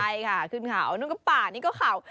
ใช่ค่ะขึ้นเขานู่นก็ป่านี่ก็เข่า